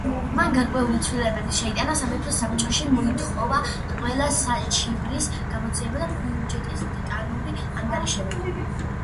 მან გარკვეული ცვლილებები შეიტანა სამეფო საბჭოში, მოითხოვა ყველა საჩივრის გამოძიება და ბიუჯეტის დეტალური ანგარიშები.